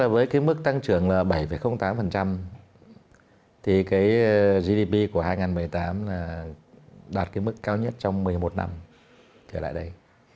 với mức tăng trưởng bảy tám gdp của hai nghìn một mươi tám đạt mức cao nhất trong một mươi một năm trở lại đây